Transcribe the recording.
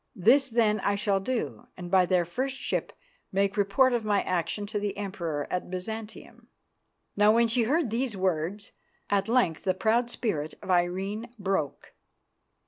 This then I shall do, and by the first ship make report of my action to the Emperor at Byzantium." Now, when she heard these words, at length the proud spirit of Irene broke.